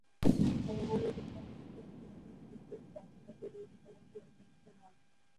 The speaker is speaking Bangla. করোনার নতুন ধরন অমিক্রনের প্রভাবে দ্রুত বাড়তে থাকে রোগী শনাক্ত ও শনাক্তের হার।